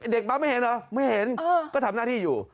ปั๊บไม่เห็นเหรอไม่เห็นก็ทำหน้าที่อยู่